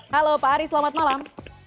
halo pak ari selamat malam